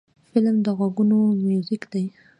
فلم د غوږونو میوزیک دی